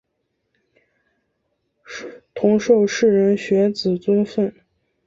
同受士人学子尊奉。